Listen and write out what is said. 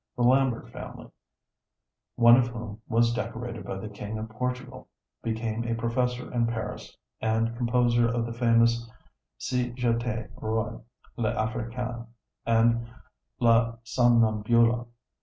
The Lambert family, one of whom was decorated by the King of Portugal, became a professor in Paris, and composer of the famous Si J'Etais Roi, L'Africaine, and La Somnambula.